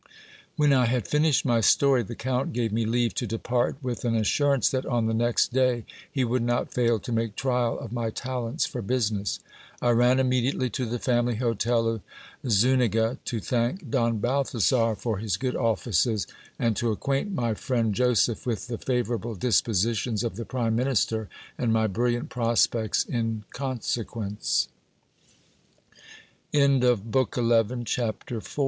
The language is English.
401 When I had finished my story, the count gave me leave to depart, with an assurance that on the next day he would not fail to make trial of my talents for business. I ran immediately to the family hotel of Zuniga, to thank Don Bal thazar for his good offices, and to acquaint my friend Joseph with the favour able dispositions of the prime minister, and my brilliant prospects